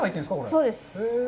そうです。